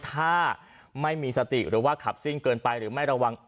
ถ้าไม่มีสติหรือว่าขับซิ่งเกินไปหรือไม่ระวัง